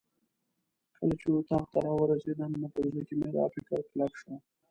کله چې اتاق ته راورسېدم نو په زړه کې مې دا فکر کلک شو.